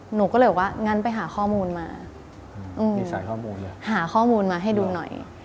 หนูก็เลยว่างั้นไปหาข้อมูลมาหาข้อมูลมาให้ดูหน่อย